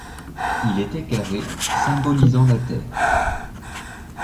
Il était carré, symbolisant la Terre.